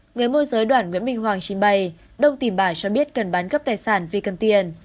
người môi giới đoạn nguyễn minh hoàng trình bày đông tìm bài cho biết cần bán gấp tài sản vì cần tiền